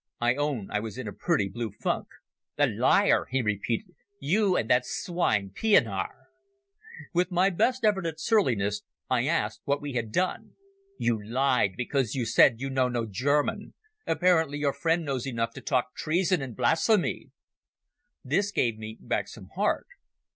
I own I was in a pretty blue funk. "A liar!" he repeated. "You and that swine Pienaar." With my best effort at surliness I asked what we had done. "You lied, because you said you know no German. Apparently your friend knows enough to talk treason and blasphemy." This gave me back some heart.